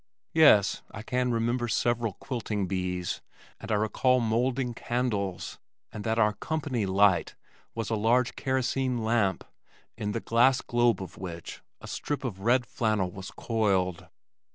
Yes, I can remember several quilting bees, and I recall molding candles, and that our "company light" was a large kerosene lamp, in the glass globe of which a strip of red flannel was coiled.